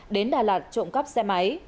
đến đà lạt trộm cắp xe máy